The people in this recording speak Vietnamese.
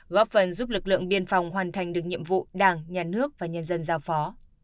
góp phần giúp lực lượng biên phòng hoàn thành được nhiệm vụ đảng nhà nước và nhân dân giao phó